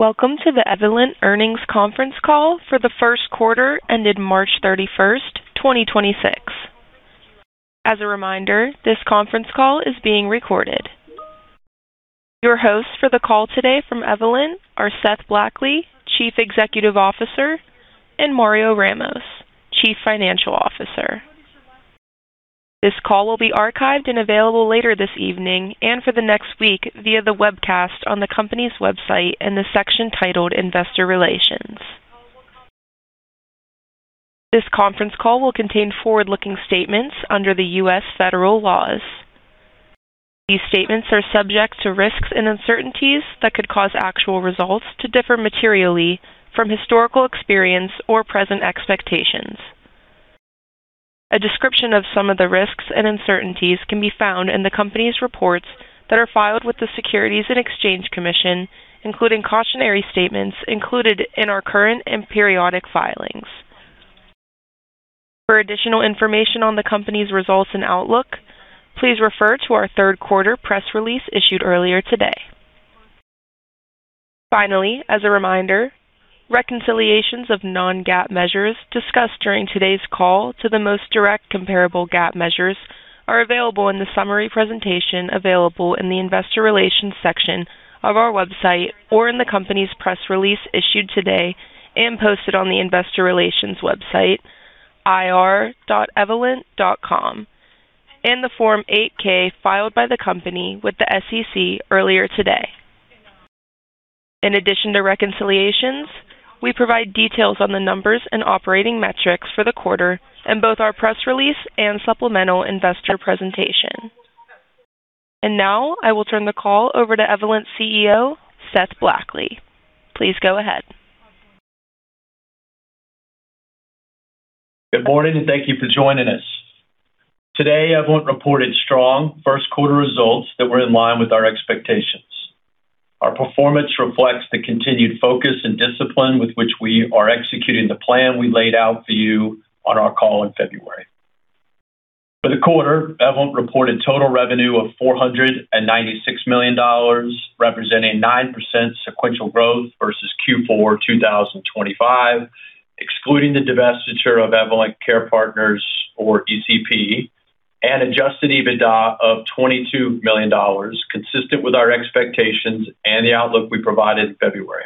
Welcome to the Evolent Earnings Conference Call for the first quarter ended March 31st, 2026. As a reminder, this conference call is being recorded. Your hosts for the call today from Evolent are Seth Blackley, Chief Executive Officer, and Mario Ramos, Chief Financial Officer. This call will be archived and available later this evening and for the next week via the webcast on the company's website in the section titled Investor Relations. This conference call will contain forward-looking statements under the U.S. federal laws. These statements are subject to risks and uncertainties that could cause actual results to differ materially from historical experience or present expectations. A description of some of the risks and uncertainties can be found in the company's reports that are filed with the Securities and Exchange Commission, including cautionary statements included in our current and periodic filings. For additional information on the company's results and outlook, please refer to our third quarter press release issued earlier today. As a reminder, reconciliations of non-GAAP measures discussed during today's call to the most direct comparable GAAP measures are available in the summary presentation available in the Investor Relations section of our website or in the company's press release issued today and posted on the investor relations website ir.evolent.com and the Form 8-K filed by the company with the SEC earlier today. In addition to reconciliations, we provide details on the numbers and operating metrics for the quarter in both our press release and supplemental investor presentation. Now I will turn the call over to Evolent's CEO, Seth Blackley. Please go ahead. Good morning, thank you for joining us. Today, Evolent reported strong first quarter results that were in line with our expectations. Our performance reflects the continued focus and discipline with which we are executing the plan we laid out for you on our call in February. For the quarter, Evolent reported total revenue of $496 million, representing 9% sequential growth versus Q4 2025, excluding the divestiture of Evolent Care Partners or ECP, and adjusted EBITDA of $22 million, consistent with our expectations and the outlook we provided in February.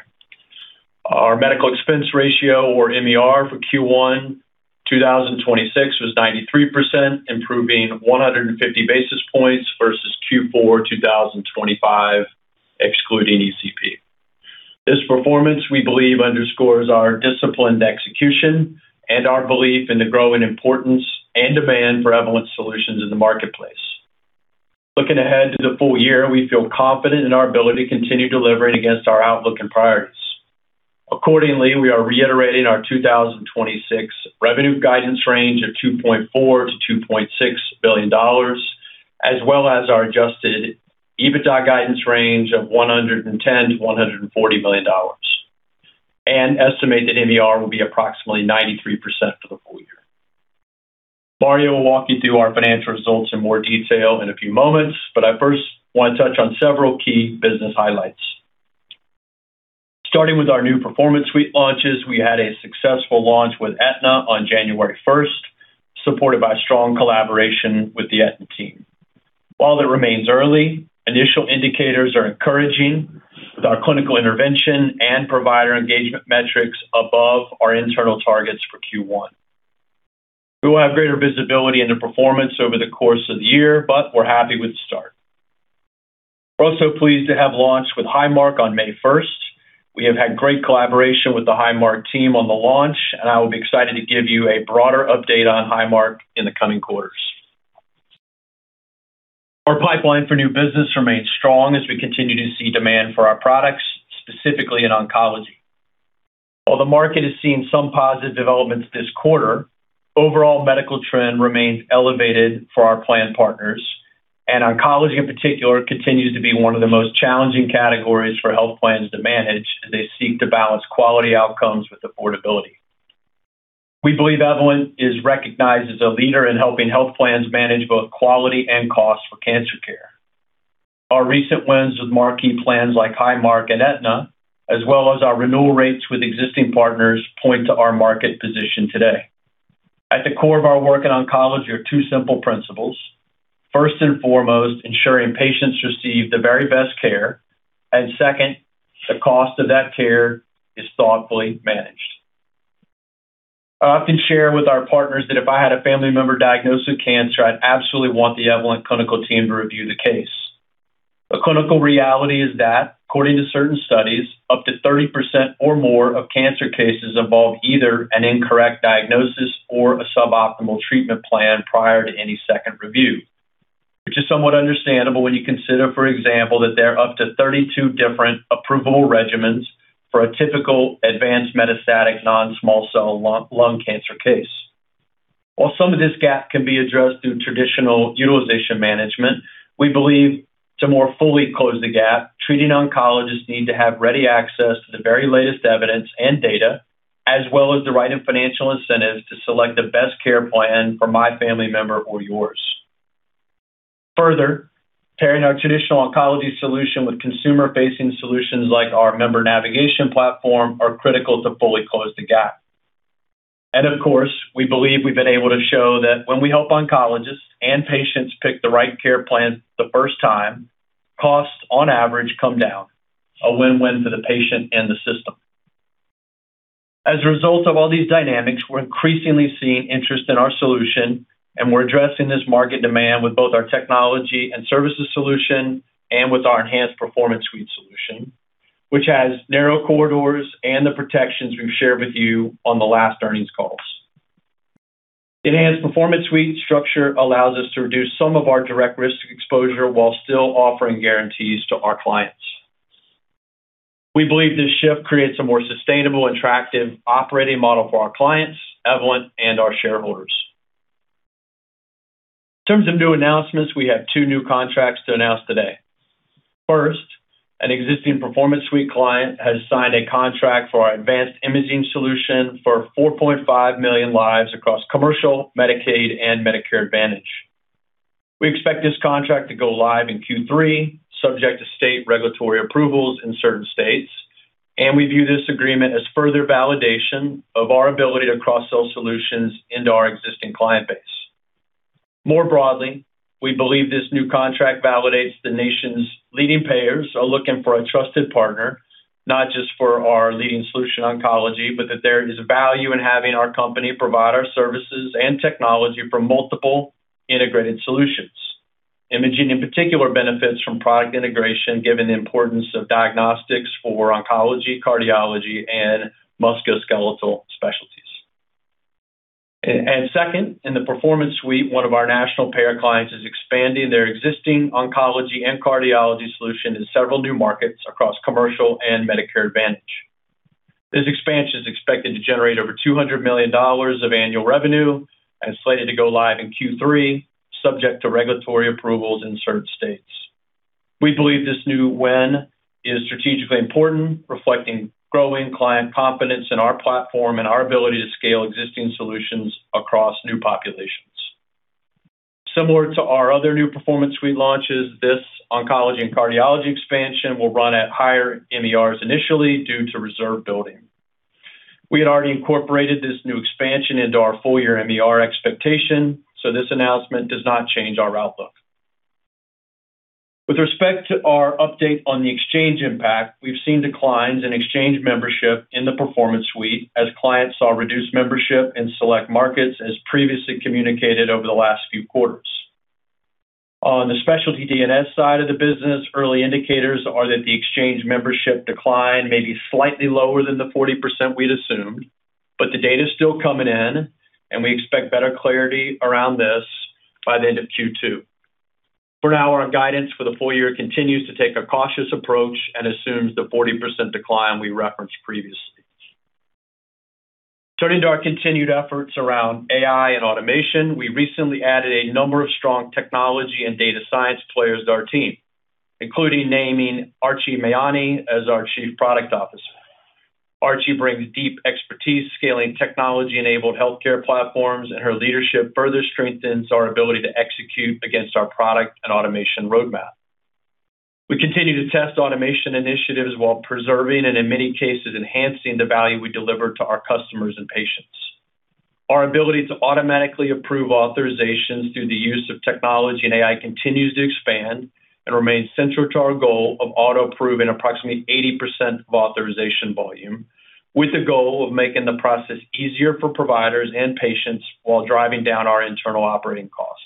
Our medical expense ratio, or MER, for Q1 2026 was 93%, improving 150 basis points versus Q4 2025, excluding ECP. This performance, we believe, underscores our disciplined execution and our belief in the growing importance and demand for Evolent solutions in the marketplace. Looking ahead to the full year, we feel confident in our ability to continue delivering against our outlook and priorities. Accordingly, we are reiterating our 2026 revenue guidance range of $2.4 billion-$2.6 billion, as well as our adjusted EBITDA guidance range of $110 million-$140 million. Estimated MER will be approximately 93% for the full year. Mario will walk you through our financial results in more detail in a few moments, but I first want to touch on several key business highlights. Starting with our new Performance Suite launches, we had a successful launch with Aetna on January 1st, supported by strong collaboration with the Aetna team. While it remains early, initial indicators are encouraging with our clinical intervention and provider engagement metrics above our internal targets for Q1. We will have greater visibility into performance over the course of the year, but we're happy with the start. We're also pleased to have launched with Highmark on May 1st. We have had great collaboration with the Highmark team on the launch, and I will be excited to give you a broader update on Highmark in the coming quarters. Our pipeline for new business remains strong as we continue to see demand for our products, specifically in oncology. While the market has seen some positive developments this quarter, overall medical trend remains elevated for our plan partners, and oncology in particular continues to be one of the most challenging categories for health plans to manage as they seek to balance quality outcomes with affordability. We believe Evolent is recognized as a leader in helping health plans manage both quality and cost for cancer care. Our recent wins with marquee plans like Highmark and Aetna, as well as our renewal rates with existing partners, point to our market position today. At the core of our work in oncology are two simple principles. First and foremost, ensuring patients receive the very best care, and second, the cost of that care is thoughtfully managed. I often share with our partners that if I had a family member diagnosed with cancer, I'd absolutely want the Evolent clinical team to review the case. The clinical reality is that according to certain studies, up to 30% or more of cancer cases involve either an incorrect diagnosis or a suboptimal treatment plan prior to any second review, which is somewhat understandable when you consider, for example, that there are up to 32 different approval regimens for a typical advanced metastatic non-small cell lung cancer case. While some of this gap can be addressed through traditional utilization management, we believe to more fully close the gap, treating oncologists need to have ready access to the very latest evidence and data, as well as the right and financial incentives to select the best care plan for my family member or yours. Further, pairing our traditional oncology solution with consumer-facing solutions like our member navigation platform are critical to fully close the gap. Of course, we believe we've been able to show that when we help oncologists and patients pick the right care plan the first time, costs on average come down, a win-win for the patient and the system. As a result of all these dynamics, we're increasingly seeing interest in our solution, and we're addressing this market demand with both our technology and services solution and with our Enhanced Performance Suite solution, which has narrow corridors and the protections we've shared with you on the last earnings calls. Enhanced Performance Suite structure allows us to reduce some of our direct risk exposure while still offering guarantees to our clients. We believe this shift creates a more sustainable, attractive operating model for our clients, Evolent, and our shareholders. In terms of new announcements, we have two new contracts to announce today. First, an existing Performance Suite client has signed a contract for our advanced imaging solution for 4.5 million lives across commercial, Medicaid, and Medicare Advantage. We expect this contract to go live in Q3, subject to state regulatory approvals in certain states, and we view this agreement as further validation of our ability to cross-sell solutions into our existing client base. More broadly, we believe this new contract validates the nation's leading payers are looking for a trusted partner, not just for our leading solution oncology, but that there is value in having our company provide our services and technology for multiple integrated solutions. Imaging, in particular, benefits from product integration, given the importance of diagnostics for oncology, cardiology, and musculoskeletal specialties. Second, in the Performance Suite, one of our national payer clients is expanding their existing oncology and cardiology solution in several new markets across commercial and Medicare Advantage. This expansion is expected to generate over $200 million of annual revenue and slated to go live in Q3, subject to regulatory approvals in certain states. We believe this new win is strategically important, reflecting growing client confidence in our platform and our ability to scale existing solutions across new populations. Similar to our other new Performance Suite launches, this oncology and cardiology expansion will run at higher MERs initially due to reserve building. We had already incorporated this new expansion into our full-year MER expectation, this announcement does not change our outlook. With respect to our update on the exchange impact, we've seen declines in exchange membership in the Performance Suite as clients saw reduced membership in select markets, as previously communicated over the last few quarters. On the Specialty T&S side of the business, early indicators are that the exchange membership decline may be slightly lower than the 40% we'd assumed, but the data is still coming in and we expect better clarity around this by the end of Q2. For now, our guidance for the full year continues to take a cautious approach and assumes the 40% decline we referenced previously. Turning to our continued efforts around AI and automation, we recently added a number of strong technology and data science players to our team, including naming Archie Mayani as our Chief Product Officer. Archie brings deep expertise scaling technology-enabled healthcare platforms, and her leadership further strengthens our ability to execute against our product and automation roadmap. We continue to test automation initiatives while preserving, and in many cases, enhancing the value we deliver to our customers and patients. Our ability to automatically approve authorizations through the use of technology and AI continues to expand and remains central to our goal of auto-approving approximately 80% of authorization volume, with the goal of making the process easier for providers and patients while driving down our internal operating costs.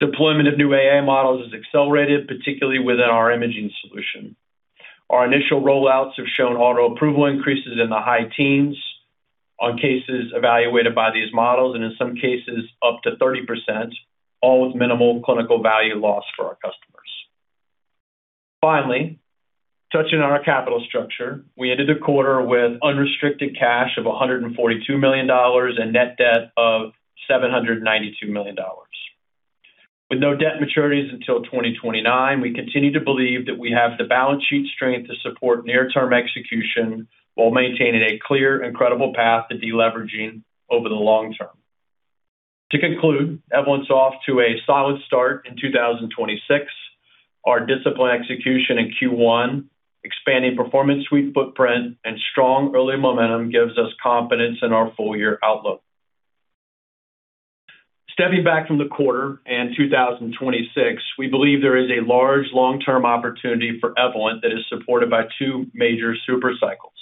Deployment of new AI models has accelerated, particularly within our imaging solution. Our initial rollouts have shown auto-approval increases in the high teens on cases evaluated by these models, and in some cases up to 30%, all with minimal clinical value loss for our customers. Finally, touching on our capital structure, we ended the quarter with unrestricted cash of $142 million and net debt of $792 million. With no debt maturities until 2029, we continue to believe that we have the balance sheet strength to support near-term execution while maintaining a clear and credible path to deleveraging over the long term. To conclude, Evolent's off to a solid start in 2026. Our disciplined execution in Q1, expanding Performance Suite footprint, and strong early momentum gives us confidence in our full-year outlook. Stepping back from the quarter in 2026, we believe there is a large long-term opportunity for Evolent that is supported by two major super cycles.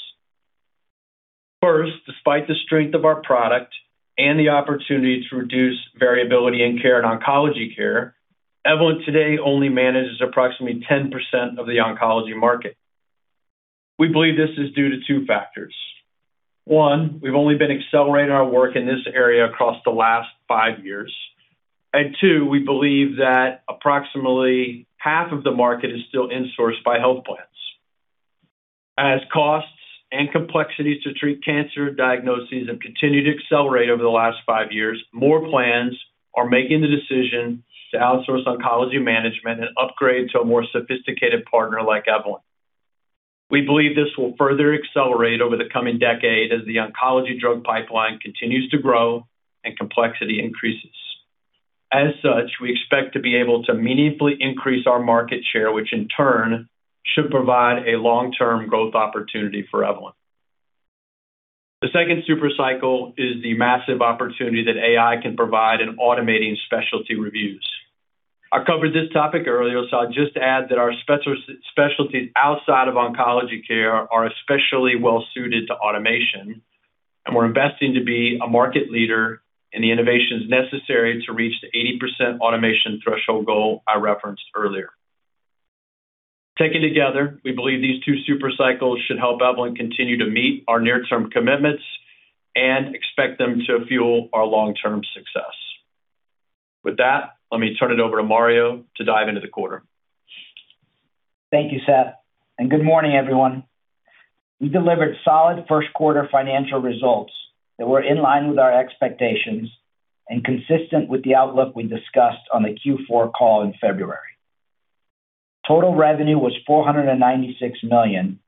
First, despite the strength of our product and the opportunity to reduce variability in care and oncology care, Evolent today only manages approximately 10% of the oncology market. We believe this is due to two factors. One, we've only been accelerating our work in this area across the last five years. Two, we believe that approximately 50% of the market is still insourced by health plans. As costs and complexities to treat cancer diagnoses have continued to accelerate over the last five years, more plans are making the decision to outsource oncology management and upgrade to a more sophisticated partner like Evolent. We believe this will further accelerate over the coming decade as the oncology drug pipeline continues to grow and complexity increases. We expect to be able to meaningfully increase our market share, which in turn should provide a long-term growth opportunity for Evolent. The second super cycle is the massive opportunity that AI can provide in automating specialty reviews. I covered this topic earlier, I'll just add that our specialties outside of oncology care are especially well suited to automation, and we're investing to be a market leader in the innovations necessary to reach the 80% automation threshold goal I referenced earlier. Taken together, we believe these two super cycles should help Evolent continue to meet our near-term commitments and expect them to fuel our long-term success. With that, let me turn it over to Mario to dive into the quarter. Thank you, Seth. Good morning, everyone. We delivered solid first quarter financial results that were in line with our expectations and consistent with the outlook we discussed on the Q4 call in February. Total revenue was $496 million,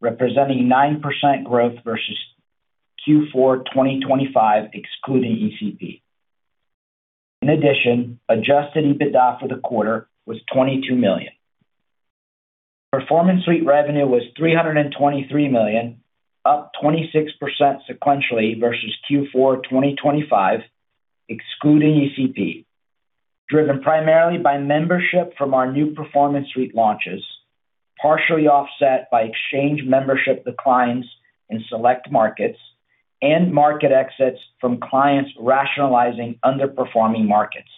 representing 9% growth versus Q4 2025, excluding ECP. In addition, adjusted EBITDA for the quarter was $22 million. Performance Suite revenue was $323 million, up 26% sequentially versus Q4 2025, excluding ECP, driven primarily by membership from our new Performance Suite launches, partially offset by exchange membership declines in select markets and market exits from clients rationalizing underperforming markets.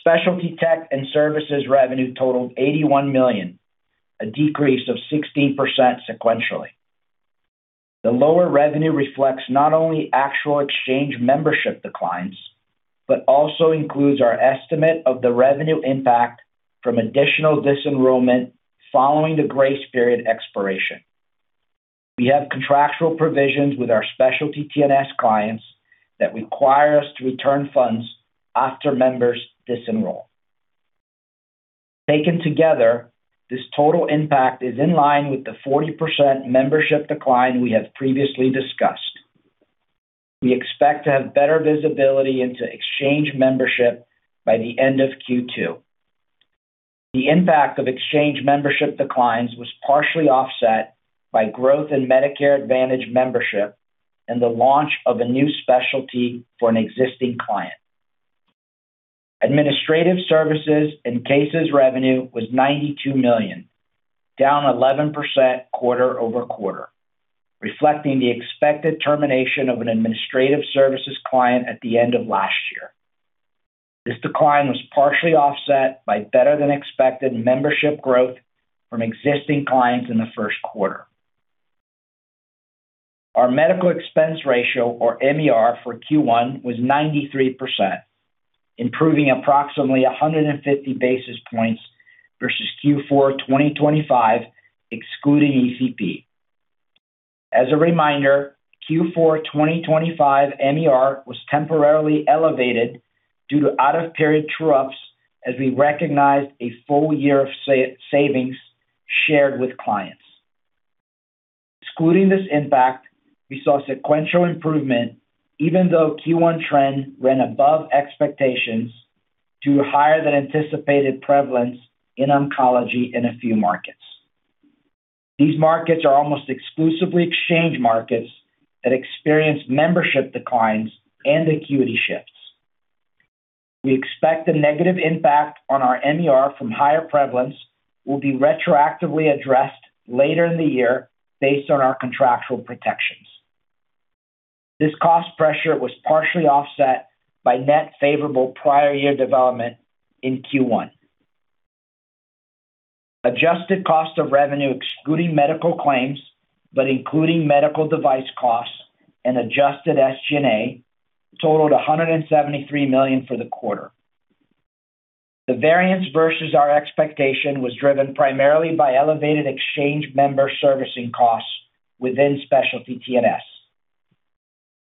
Specialty T&S revenue totaled $81 million, a decrease of 16% sequentially. The lower revenue reflects not only actual exchange membership declines but also includes our estimate of the revenue impact from additional disenrollment following the grace period expiration. We have contractual provisions with our Specialty T&S clients that require us to return funds after members disenroll. Taken together, this total impact is in line with the 40% membership decline we have previously discussed. We expect to have better visibility into exchange membership by the end of Q2. The impact of exchange membership declines was partially offset by growth in Medicare Advantage membership and the launch of a new specialty for an existing client. Administrative services and cases revenue was $92 million, down 11% quarter-over-quarter, reflecting the expected termination of an administrative services client at the end of last year. This decline was partially offset by better than expected membership growth from existing clients in the first quarter. Our medical expense ratio, or MER, for Q1 was 93%, improving approximately 150 basis points versus Q4 2025, excluding ECP. As a reminder, Q4 2025 MER was temporarily elevated due to out of period true-ups as we recognized a full year of savings shared with clients. Excluding this impact, we saw sequential improvement even though Q1 trend ran above expectations due to higher than anticipated prevalence in oncology in a few markets. These markets are almost exclusively exchange markets that experience membership declines and acuity shifts. We expect the negative impact on our MER from higher prevalence will be retroactively addressed later in the year based on our contractual protections. This cost pressure was partially offset by net favorable prior year development in Q1. Adjusted cost of revenue excluding medical claims, but including medical device costs and adjusted SG&A totaled $173 million for the quarter. The variance versus our expectation was driven primarily by elevated exchange member servicing costs within Specialty T&S.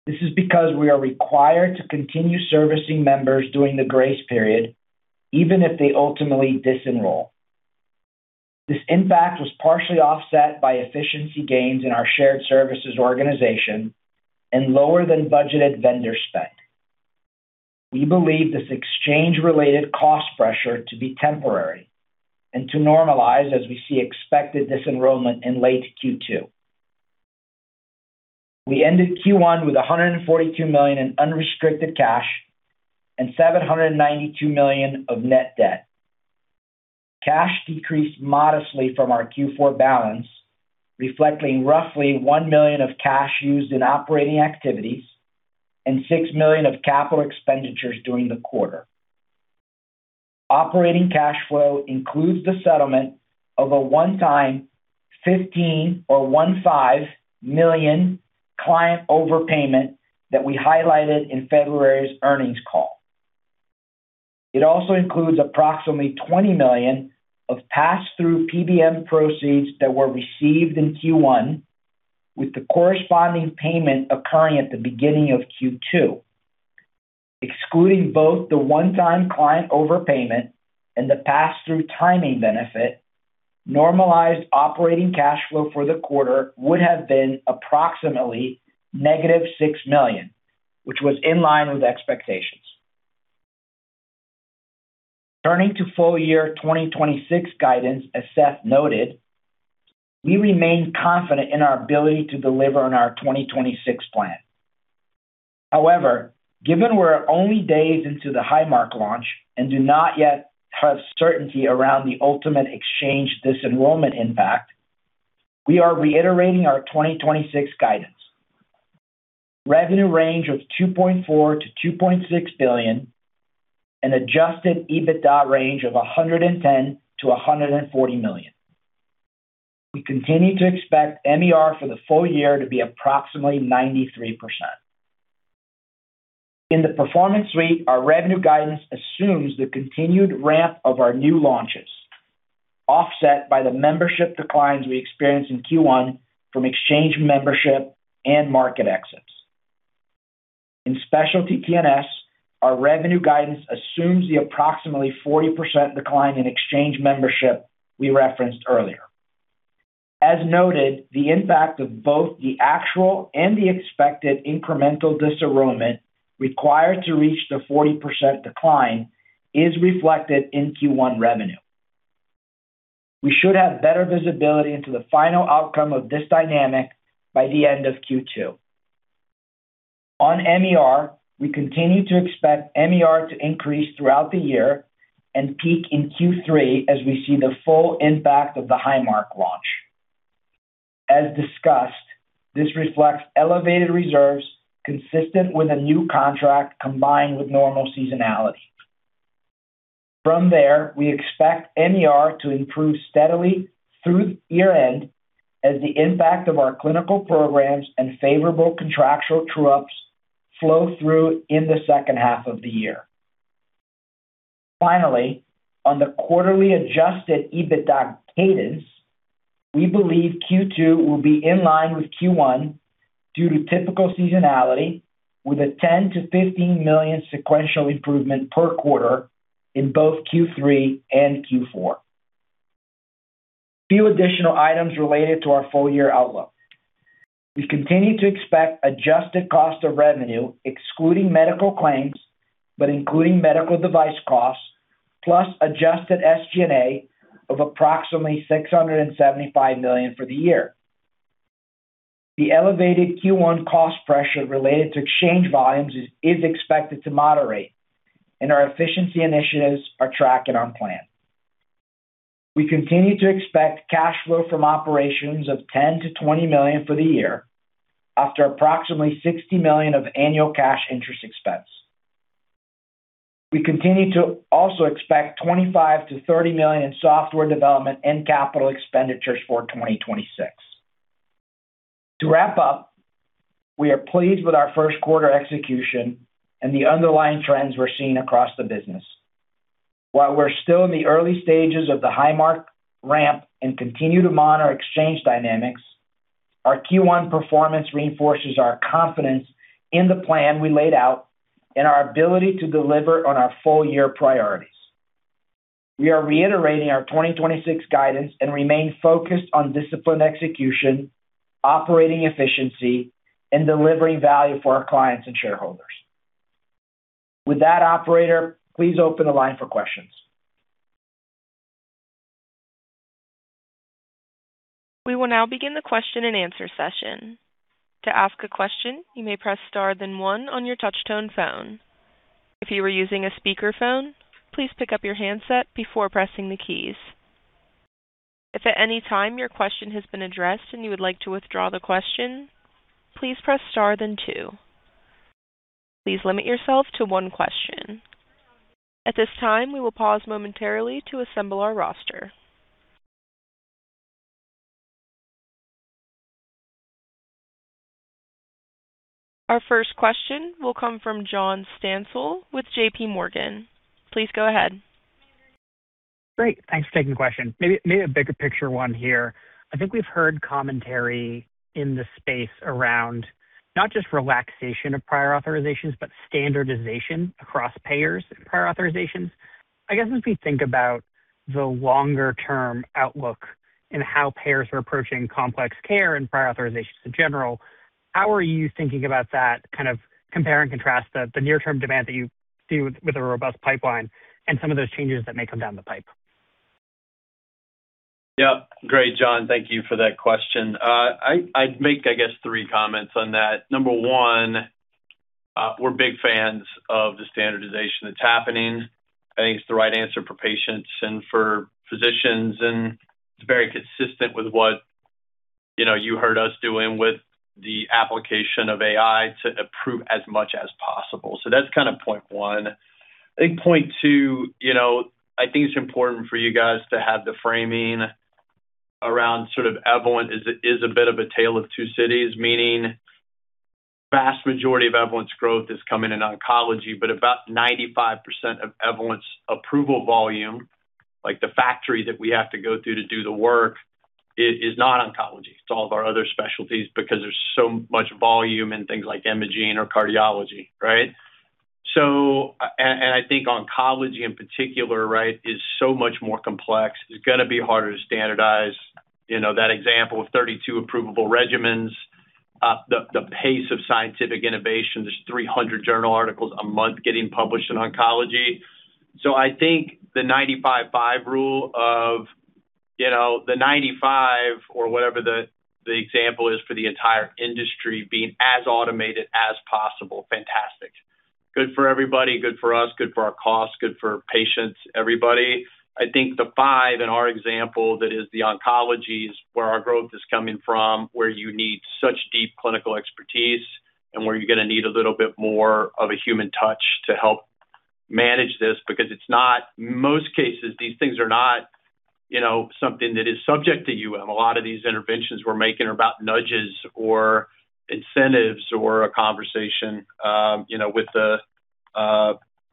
This is because we are required to continue servicing members during the grace period, even if they ultimately disenroll. This impact was partially offset by efficiency gains in our shared services organization and lower than budgeted vendor spend. We believe this exchange related cost pressure to be temporary and to normalize as we see expected disenrollment in late Q2. We ended Q1 with $142 million in unrestricted cash and $792 million of net debt. Cash decreased modestly from our Q4 balance, reflecting roughly $1 million of cash used in operating activities and $6 million of capital expenditures during the quarter. Operating cash flow includes the settlement of a one-time $15 million client overpayment that we highlighted in February's earnings call. It also includes approximately $20 million of passthrough PBM proceeds that were received in Q1, with the corresponding payment occurring at the beginning of Q2. Excluding both the one-time client overpayment and the passthrough timing benefit, normalized operating cash flow for the quarter would have been approximately negative $6 million, which was in line with expectations. Turning to full year 2026 guidance, as Seth noted, we remain confident in our ability to deliver on our 2026 plan. However, given we're only days into the Highmark launch and do not yet have certainty around the ultimate exchange disenrollment impact, we are reiterating our 2026 guidance. Revenue range of $2.4 billion-$2.6 billion, an adjusted EBITDA range of $110 million-$140 million. We continue to expect MER for the full year to be approximately 93%. In the Performance Suite, our revenue guidance assumes the continued ramp of our new launches, offset by the membership declines we experienced in Q1 from exchange membership and market exits. In Specialty T&S, our revenue guidance assumes the approximately 40% decline in exchange membership we referenced earlier. As noted, the impact of both the actual and the expected incremental disenrollment required to reach the 40% decline is reflected in Q1 revenue. We should have better visibility into the final outcome of this dynamic by the end of Q2. On MER, we continue to expect MER to increase throughout the year and peak in Q3 as we see the full impact of the Highmark launch. As discussed, this reflects elevated reserves consistent with a new contract combined with normal seasonality. From there, we expect MER to improve steadily through year-end as the impact of our clinical programs and favorable contractual true-ups flow through in the second half of the year. Finally, on the quarterly adjusted EBITDA cadence, we believe Q2 will be in line with Q1 due to typical seasonality with a $10 million-$15 million sequential improvement per quarter in both Q3 and Q4. A few additional items related to our full-year outlook. We continue to expect adjusted cost of revenue, excluding medical claims, but including medical device costs, plus adjusted SG&A of approximately $675 million for the year. The elevated Q1 cost pressure related to exchange volumes is expected to moderate, and our efficiency initiatives are tracking on plan. We continue to expect cash flow from operations of $10 million-$20 million for the year after approximately $60 million of annual cash interest expense. We continue to also expect $25 million-$30 million in software development and capital expenditures for 2026. To wrap up, we are pleased with our first quarter execution and the underlying trends we're seeing across the business. While we're still in the early stages of the Highmark ramp and continue to monitor exchange dynamics, our Q1 performance reinforces our confidence in the plan we laid out and our ability to deliver on our full-year priorities. We are reiterating our 2026 guidance and remain focused on disciplined execution, operating efficiency, and delivering value for our clients and shareholders. With that, operator, please open the line for questions. We will now begin the question-and-answer session. To ask a question, you may press star then one on your touch-tone phone. If you are using a speakerphone, please pick up your handset before pressing the keys. If at any time your question has been addressed and you would like to withdraw the question, please press star then two. Please limit yourself to one question. At this time, we will pause momentarily to assemble our roster. Our first question will come from John Stansel with JPMorgan. Please go ahead. Great. Thanks for taking the question. Maybe a bigger picture one here. I think we've heard commentary in the space around not just relaxation of prior authorizations, but standardization across payers and prior authorizations. I guess as we think about the longer term outlook and how payers are approaching complex care and prior authorizations in general, how are you thinking about that kind of compare and contrast the near term demand that you see with a robust pipeline and some of those changes that may come down the pipe? Yeah. Great, John. Thank you for that question. I'd make, I guess, three comments on that. Number 1, we're big fans of the standardization that's happening. I think it's the right answer for patients and for physicians, and it's very consistent with what, you know, you heard us doing with the application of AI to approve as much as possible. That's kind of point 1. I think point 2, you know, I think it's important for you guys to have the framing around sort of Evolent is a bit of a tale of two cities, meaning vast majority of Evolent's growth is coming in oncology, but about 95% of Evolent's approval volume, like the factory that we have to go through to do the work, is not oncology. It's all of our other specialties because there's so much volume in things like imaging or cardiology, right? And I think oncology in particular, right, is so much more complex. It's gonna be harder to standardize. You know, that example of 32 approvable regimens. The pace of scientific innovation, there's 300 journal articles a month getting published in oncology. I think the 95/5 rule of, you know, the 95 or whatever the example is for the entire industry being as automated as possible, fantastic. Good for everybody, good for us, good for our costs, good for patients, everybody. I think the 5 in our example, that is the oncologies, where our growth is coming from, where you're gonna need a little bit more of a human touch to help manage this because it's not Most cases, these things are not, you know, something that is subject to UM. A lot of these interventions we're making are about nudges or incentives or a conversation, you know, with the,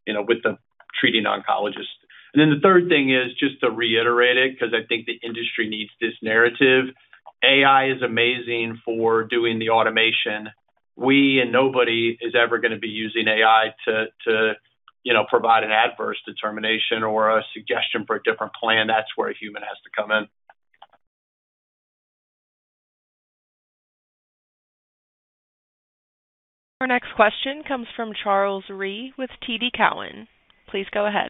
you know, with the treating oncologist. Then the third thing is just to reiterate it 'cause I think the industry needs this narrative. AI is amazing for doing the automation. Nobody is ever gonna be using AI to, you know, provide an adverse determination or a suggestion for a different plan. That's where a human has to come in. Our next question comes from Charles Rhyee with TD Cowen. Please go ahead.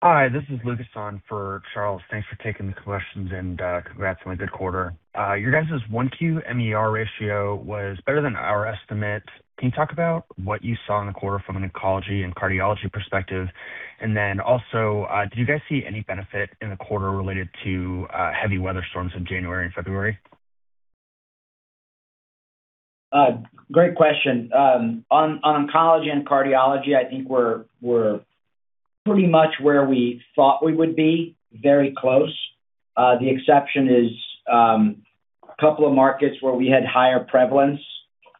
Hi, this is Lucas on for Charles. Thanks for taking the questions, and congrats on a good quarter. Your guys' 1Q MER ratio was better than our estimate. Can you talk about what you saw in the quarter from an oncology and cardiology perspective? Also, did you guys see any benefit in the quarter related to heavy weather storms in January and February? Great question. On oncology and cardiology, I think we're pretty much where we thought we would be, very close. The exception is a couple of markets where we had higher prevalence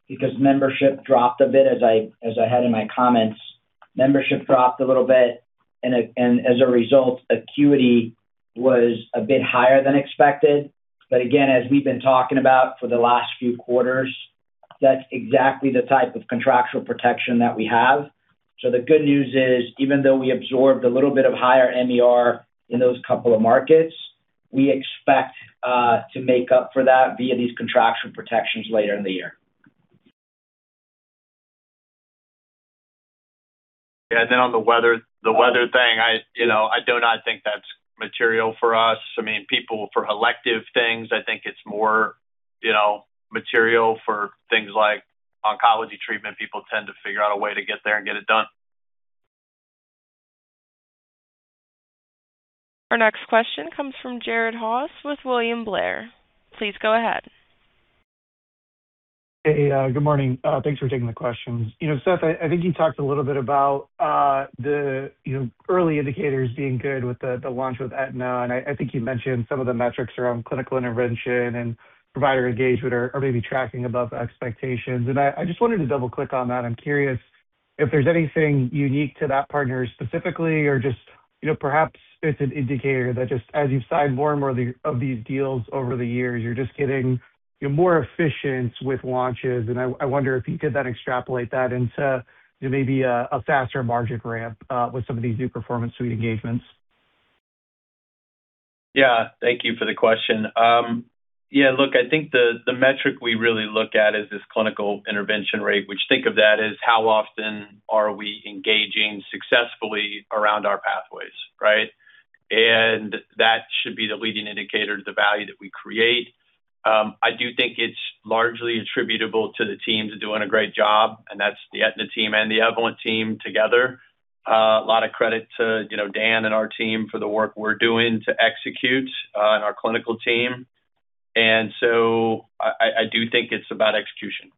because membership dropped a bit, as I had in my comments. Membership dropped a little bit, and as a result, acuity was a bit higher than expected. Again, as we've been talking about for the last few quarters, that's exactly the type of contractual protection that we have. The good news is, even though we absorbed a little bit of higher MER in those couple of markets, we expect to make up for that via these contractual protections later in the year. On the weather thing, I, you know, I do not think that's material for us. I mean, people for elective things, I think it's more, you know, material for things like oncology treatment. People tend to figure out a way to get there and get it done. Our next question comes from Jared Haase with William Blair. Please go ahead. Good morning. Thanks for taking the questions. Seth, I think you talked a little bit about the early indicators being good with the launch with Aetna, I think you mentioned some of the metrics around clinical intervention and provider engagement are maybe tracking above expectations. I just wanted to double-click on that. I'm curious if there's anything unique to that partner specifically or just perhaps it's an indicator that just as you've signed more and more of these deals over the years, you're just getting more efficient with launches. I wonder if you could then extrapolate that into maybe a faster margin ramp with some of these new Performance Suite engagements. Thank you for the question. Look, I think the metric we really look at is this clinical intervention rate, which think of that as how often are we engaging successfully around our pathways, right? That should be the leading indicator to the value that we create. I do think it's largely attributable to the teams doing a great job, and that's the Aetna team and the Evolent team together. A lot of credit to, you know, Dan and our team for the work we're doing to execute, and our clinical team. I do think it's about execution.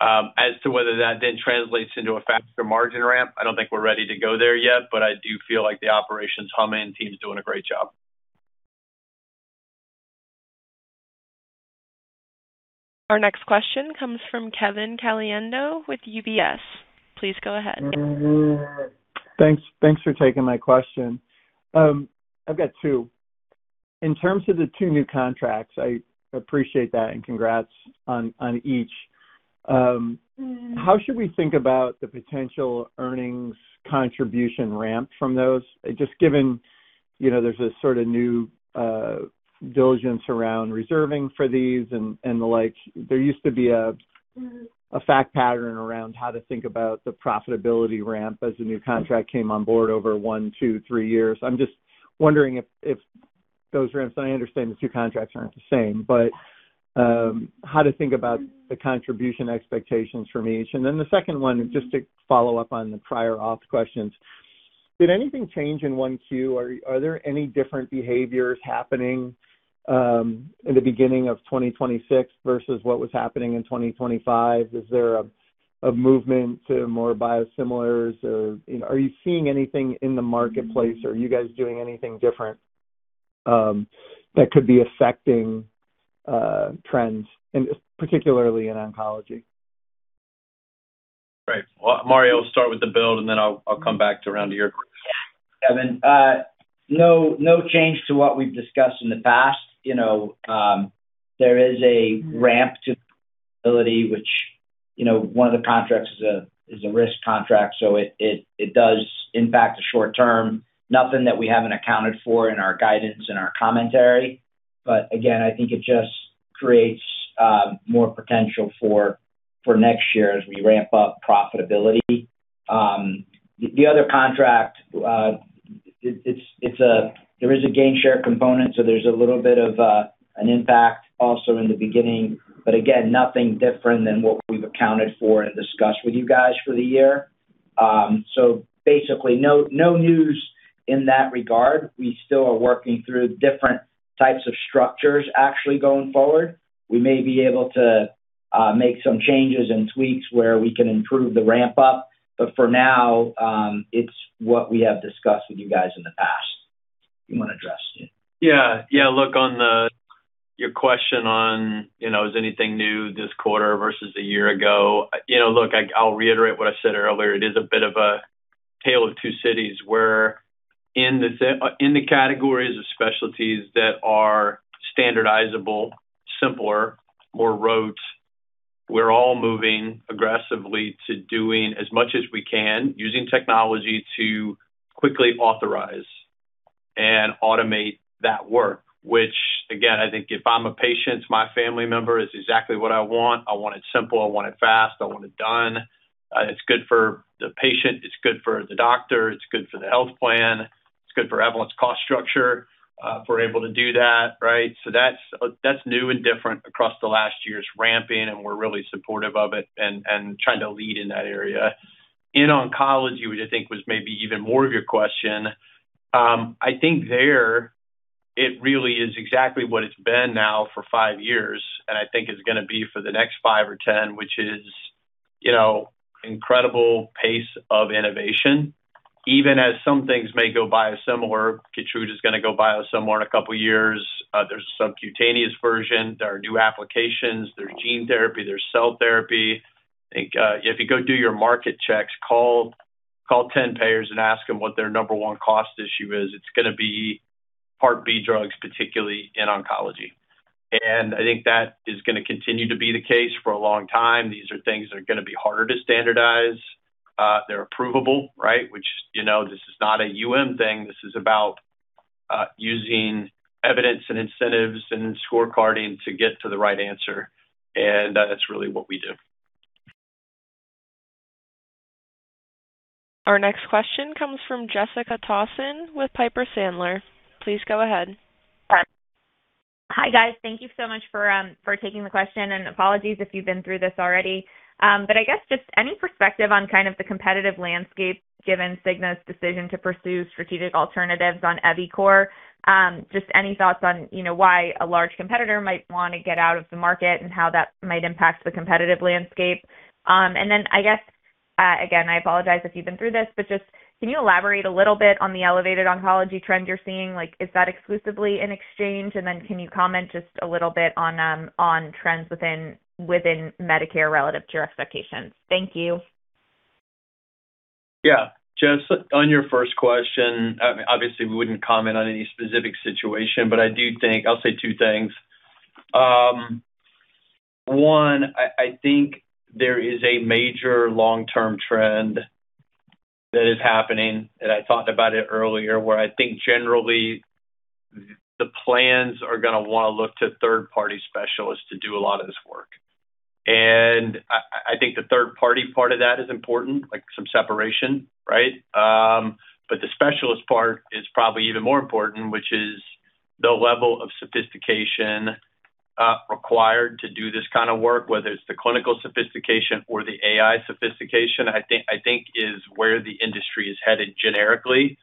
As to whether that then translates into a faster margin ramp, I don't think we're ready to go there yet, but I do feel like the operations humming team's doing a great job. Our next question comes from Kevin Caliendo with UBS. Please go ahead. Thanks, thanks for taking my question. I've got two. In terms of the two new contracts, I appreciate that, and congrats on each. How should we think about the potential earnings contribution ramp from those? Just given, you know, there's a sort of new diligence around reserving for these and the like. There used to be a fact pattern around how to think about the profitability ramp as a new contract came on board over one, two, three years. I'm just wondering if those ramps. I understand the two contracts aren't the same, but how to think about the contribution expectations from each. Then the second one, just to follow up on the prior auth questions. Did anything change in 1Q? Are there any different behaviors happening in the beginning of 2026 versus what was happening in 2025? Is there a movement to more biosimilars? You know, are you seeing anything in the marketplace? Are you guys doing anything different that could be affecting trends and particularly in oncology? Right. Well, Mario, start with the build, and then I'll come back to around to your group. Kevin, no change to what we've discussed in the past. You know, there is a ramp to profitability, which, you know, one of the contracts is a risk contract, so it does impact the short term. Nothing that we haven't accounted for in our guidance and our commentary. Again, I think it just creates more potential for next year as we ramp up profitability. The other contract, there is a gain share component, so there's a little bit of an impact also in the beginning. Again, nothing different than what we've accounted for and discussed with you guys for the year. Basically, no news in that regard. We still are working through different types of structures actually going forward. We may be able to make some changes and tweaks where we can improve the ramp up. For now, it's what we have discussed with you guys in the past. You wanna address? On the, your question on, you know, is anything new this quarter versus a year ago. I'll reiterate what I said earlier. It is a bit of a tale of two cities where in the categories of specialties that are standardizable, simpler, more rote, we're all moving aggressively to doing as much as we can using technology to quickly authorize and automate that work. Again, I think if I'm a patient, my family member, it's exactly what I want. I want it simple, I want it fast, I want it done. It's good for the patient, it's good for the doctor, it's good for the health plan, it's good for Evolent's cost structure, if we're able to do that, right? That's new and different across the last year's ramping, and we're really supportive of it and trying to lead in that area. In oncology, which I think was maybe even more of your question, I think there it really is exactly what it's been now for five years, and I think is gonna be for the next five or 10, which is, you know, incredible pace of innovation. Even as some things may go biosimilar, KEYTRUDA's gonna go biosimilar in a couple years. There's a subcutaneous version. There are new applications. There's gene therapy. There's cell therapy. I think, if you go do your market checks, call 10 payers and ask them what their number one cost issue is, it's gonna be Part B drugs, particularly in oncology. I think that is gonna continue to be the case for a long time. These are things that are gonna be harder to standardize. They're approvable, right? Which, you know, this is not a UM thing. This is about using evidence and incentives and scorecarding to get to the right answer, that's really what we do. Our next question comes from Jessica Tassan with Piper Sandler. Please go ahead. Hi, guys. Thank you so much for for taking the question, and apologies if you've been through this already. I guess just any perspective on kind of the competitive landscape given Cigna's decision to pursue strategic alternatives on eviCore. Just any thoughts on, you know, why a large competitor might wanna get out of the market and how that might impact the competitive landscape. I guess, again, I apologize if you've been through this, just can you elaborate a little bit on the elevated oncology trend you're seeing? Like, is that exclusively in exchange? Can you comment just a little bit on trends within Medicare relative to your expectations? Thank you. Jess, on your first question, obviously we wouldn't comment on any specific situation, but I do think I'll say two things. One, I think there is a major long-term trend that is happening, and I talked about it earlier, where I think generally the plans are gonna wanna look to third-party specialists to do a lot of this work. I think the third party part of that is important, like some separation, right? But the specialist part is probably even more important, which is the level of sophistication required to do this kind of work, whether it's the clinical sophistication or the AI sophistication, I think is where the industry is headed generically.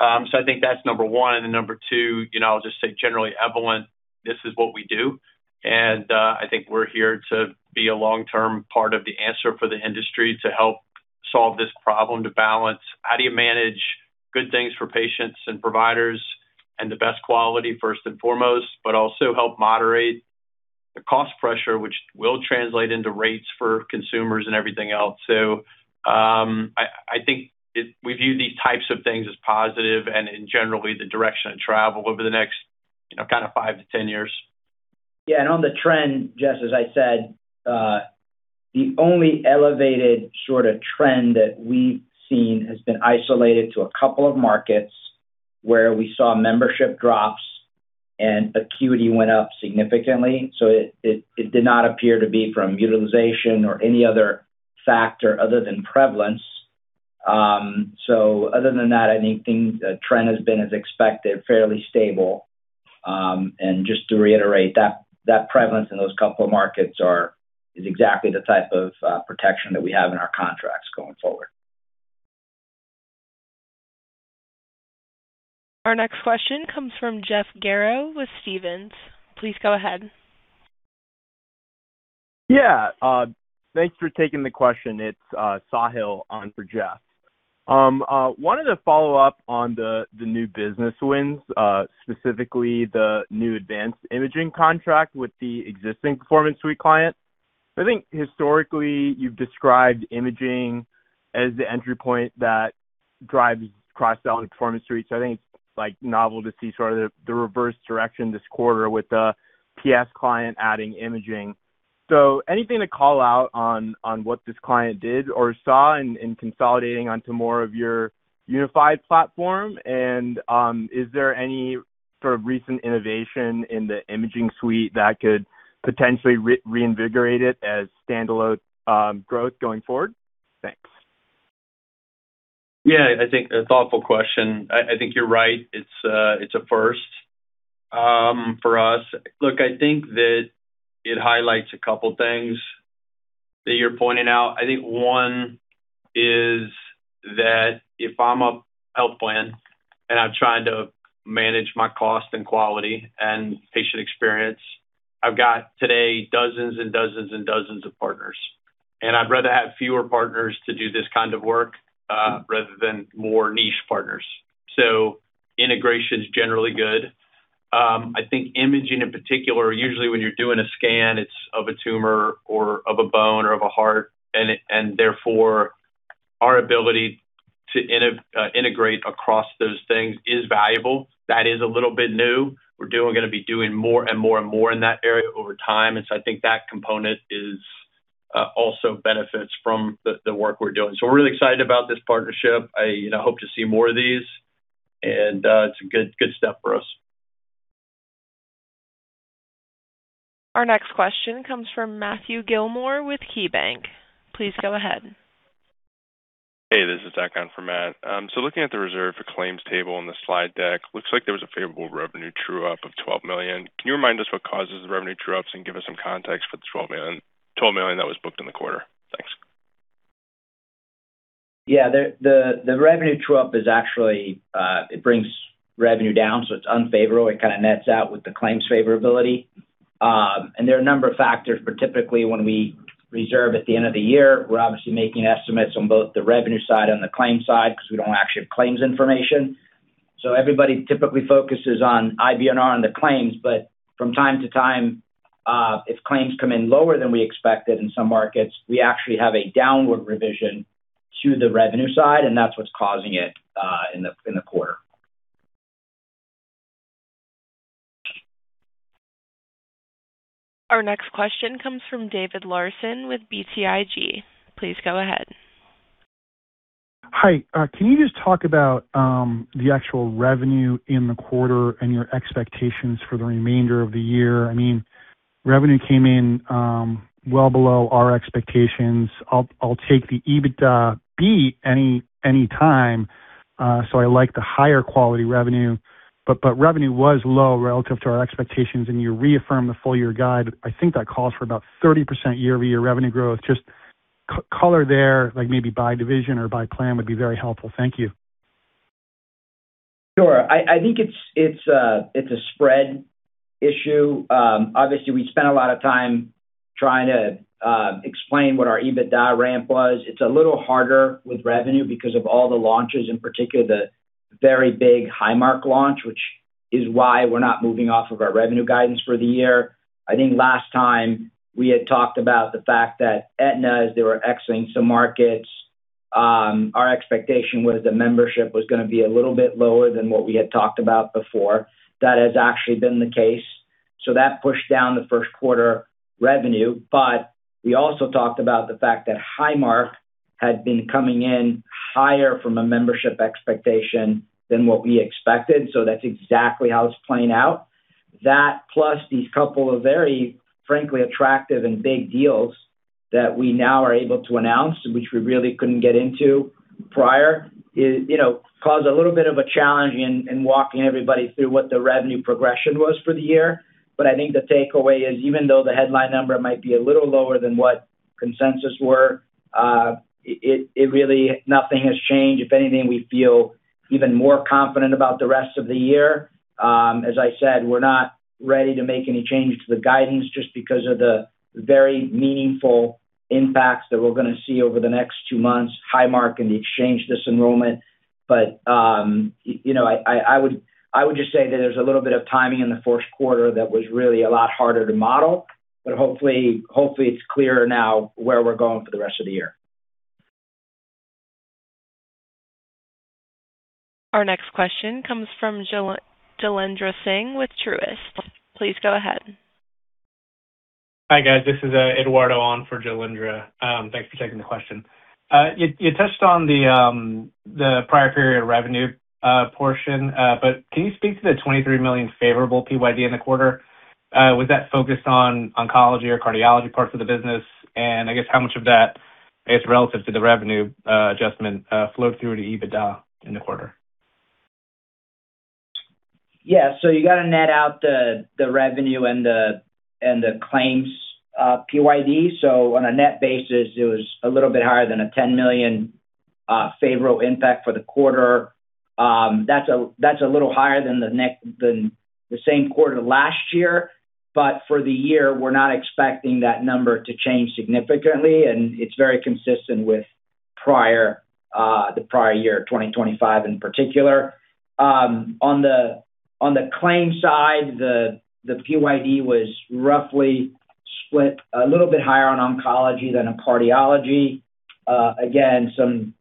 I think that's number one. Number two, you know, I'll just say generally, Evolent, this is what we do. I think we're here to be a long-term part of the answer for the industry to help solve this problem, to balance how do you manage good things for patients and providers and the best quality first and foremost, but also help moderate the cost pressure, which will translate into rates for consumers and everything else. I think it we view these types of things as positive and generally the direction of travel over the next, you know, kind of five to 10 years. Yeah, on the trend, Jess, as I said, the only elevated sort of trend that we've seen has been isolated to a couple of markets where we saw membership drops and acuity went up significantly. It did not appear to be from utilization or any other factor other than prevalence. Other than that, I think the trend has been as expected, fairly stable. Just to reiterate, that prevalence in those couple of markets is exactly the type of protection that we have in our contracts going forward. Our next question comes from Jeff Garro with Stephens. Please go ahead. Thanks for taking the question. It's Sahil on for Jeff Garro. Wanted to follow up on the new business wins, specifically the new advanced imaging contract with the existing Performance Suite client. I think historically you've described imaging as the entry point that drives cross-sell in Performance Suite. I think it's, like, novel to see sort of the reverse direction this quarter with the PS client adding imaging. Anything to call out on what this client did or saw in consolidating onto more of your unified platform? Is there any sort of recent innovation in the imaging suite that could potentially reinvigorate it as standalone growth going forward? Thanks. Yeah, I think a thoughtful question. I think you're right. It's a first for us. Look, I think that it highlights a couple things that you're pointing out. I think one is that if I'm a health plan, and I'm trying to manage my cost and quality and patient experience, I've got today dozens and dozens and dozens of partners. I'd rather have fewer partners to do this kind of work rather than more niche partners. Integration's generally good. I think imaging in particular, usually when you're doing a scan, it's of a tumor or of a bone or of a heart, and therefore our ability to integrate across those things is valuable. That is a little bit new. We're gonna be doing more and more and more in that area over time. I think that component is also benefits from the work we're doing. We're really excited about this partnership. I, you know, hope to see more of these and it's a good step for us. Our next question comes from Matthew Gillmor with KeyBanc. Please go ahead. Hey, this is Zach on for Matt. Looking at the reserve for claims table in the slide deck, looks like there was a favorable revenue true-up of $12 million. Can you remind us what causes the revenue true-ups and give us some context for the $12 million that was booked in the quarter? Thanks. Yeah. The revenue true-up is actually, it brings revenue down, so it's unfavorable. It kind of nets out with the claims favorability. There are a number of factors, but typically when we reserve at the end of the year, we're obviously making estimates on both the revenue side and the claims side because we don't actually have claims information. Everybody typically focuses on IBNR on the claims, but from time to time, if claims come in lower than we expected in some markets, we actually have a downward revision to the revenue side, and that's what's causing it in the quarter. Our next question comes from David Larsen with BTIG. Please go ahead. Hi. Can you just talk about the actual revenue in the quarter and your expectations for the remainder of the year? I mean, revenue came in well below our expectations. I'll take the EBITDA beat any time, so I like the higher quality revenue. Revenue was low relative to our expectations, and you reaffirmed the full year guide. I think that calls for about 30% year-over-year revenue growth. Just color there, like maybe by division or by plan would be very helpful. Thank you. Sure. I think it's a spread issue. Obviously, we spent a lot of time trying to explain what our EBITDA ramp was. It's a little harder with revenue because of all the launches, in particular, the very big Highmark launch, which is why we're not moving off of our revenue guidance for the year. I think last time we had talked about the fact that Aetna, as they were exiting some markets, our expectation was the membership was gonna be a little bit lower than what we had talked about before. That has actually been the case. That pushed down the first quarter revenue. We also talked about the fact that Highmark had been coming in higher from a membership expectation than what we expected, so that's exactly how it's playing out. That plus these couple of very frankly attractive and big deals that we now are able to announce, which we really couldn't get into prior is, you know, caused a little bit of a challenge in walking everybody through what the revenue progression was for the year. I think the takeaway is even though the headline number might be a little lower than what consensus were, it really nothing has changed. If anything, we feel even more confident about the rest of the year. As I said, we're not ready to make any changes to the guidance just because of the very meaningful impacts that we're gonna see over the next 2 months, Highmark and the exchange disenrollment. You know, I would just say that there's a little bit of timing in the first quarter that was really a lot harder to model. Hopefully it's clearer now where we're going for the rest of the year. Our next question comes from Jailendra Singh with Truist. Please go ahead. Hi, guys. This is Eduardo on for Jailendra. Thanks for taking the question. You touched on the prior period revenue portion. Can you speak to the $23 million favorable PYD in the quarter? Was that focused on oncology or cardiology parts of the business? I guess how much of that is relative to the revenue adjustment flow through to EBITDA in the quarter? Yeah. You gotta net out the revenue and the claims PYD. On a net basis, it was a little bit higher than a $10 million favorable impact for the quarter. That's a little higher than the same quarter last year. For the year, we're not expecting that number to change significantly, and it's very consistent with prior, the prior year, 2025 in particular. On the claims side, the PYD was roughly split a little bit higher on oncology than on cardiology. Again, some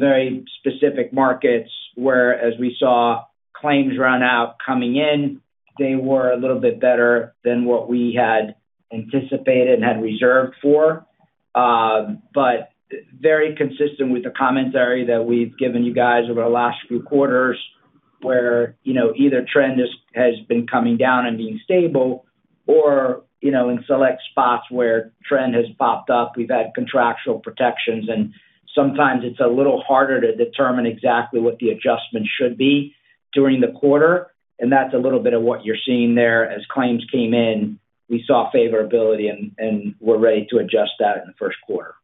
very specific markets where as we saw claims run out coming in, they were a little bit better than what we had anticipated and had reserved for. Very consistent with the commentary that we've given you guys over the last few quarters where, you know, either trend has been coming down and being stable or, you know, in select spots where trend has popped up, we've had contractual protections. Sometimes it's a little harder to determine exactly what the adjustment should be during the quarter, and that's a little bit of what you're seeing there. As claims came in, we saw favorability and we're ready to adjust that in the first quarter.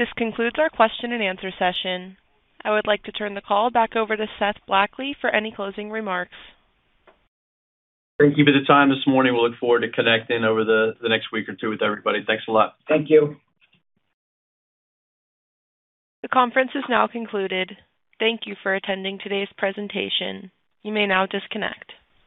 This concludes our question and answer session. I would like to turn the call back over to Seth Blackley for any closing remarks. Thank you for the time this morning. We look forward to connecting over the next week or two with everybody. Thanks a lot. Thank you. The conference is now concluded. Thank you for attending today's presentation. You may now disconnect.